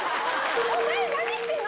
お前、何してんの？